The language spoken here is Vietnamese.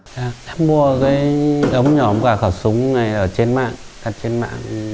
đã mua cái ống nhỏ của khẩu súng này ở trên mạng